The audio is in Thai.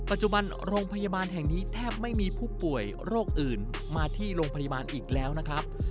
ปัจจุบันโรงพยาบาลแห่งนี้แทบไม่มีผู้ป่วยโรคอื่นมาที่โรงพยาบาลอีกแล้วนะครับ